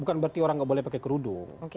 bukan berarti orang nggak boleh pakai kerudung